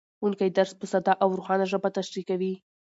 ښوونکی درس په ساده او روښانه ژبه تشریح کوي